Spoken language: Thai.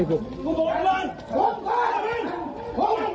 อยู่บนไลท์ต่อมาเดี๋ยว